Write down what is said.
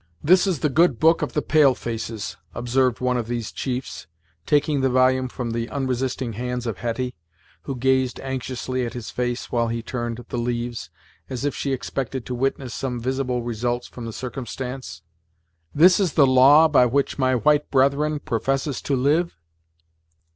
"This is the Good Book of the pale faces," observed one of these chiefs, taking the volume from the unresisting hands of Hetty, who gazed anxiously at his face while he turned the leaves, as if she expected to witness some visible results from the circumstance. "This is the law by which my white brethren professes to live?"